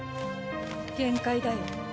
限界だよ。